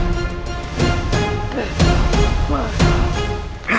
yuk kita ket jerusalem